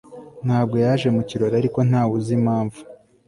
ntabwo yaje mu kirori, ariko ntawe uzi impamvu